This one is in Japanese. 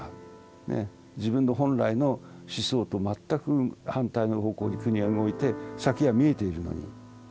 自分の本来の思想と全く反対の方向に国が動いて先が見えているのに。